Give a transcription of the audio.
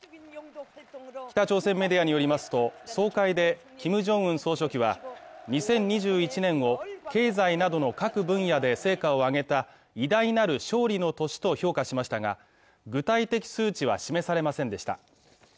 北朝鮮メディアによりますと、総会でキム・ジョンウン総書記は２０２１年を経済などの各分野で成果を上げた偉大なる勝利の年と評価しましたが、具体的数値は示されませんでした。